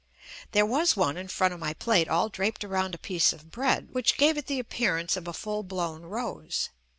There was one in front of my plate all draped around a piece of bread, which gave it the appearance of a full blown rose.